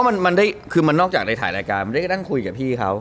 มันได้คือมันนอกจากในถ่ายรายการมันได้ก็นั่งคุยกับพี่เขา